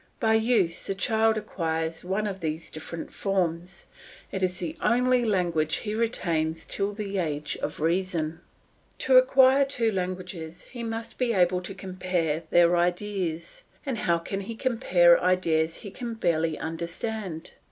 By use the child acquires one of these different forms, and it is the only language he retains till the age of reason. To acquire two languages he must be able to compare their ideas, and how can he compare ideas he can barely understand?